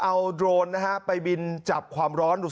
มึงอยากให้ผู้ห่างติดคุกหรอ